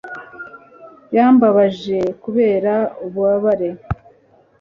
yambabaje kubera ububabare